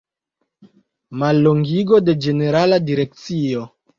Mallongigo de Ĝenerala Direkcio.